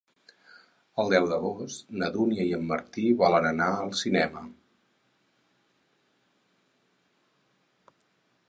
El deu d'agost na Dúnia i en Martí volen anar al cinema.